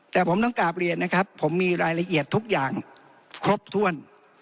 แต่ผมต้องกราบเรียนนะครับผมมีรายละเอียดทุกอย่างครบถ้วน